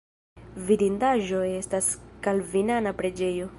Vidindaĵo estas kalvinana preĝejo.